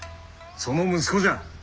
その息子じゃ！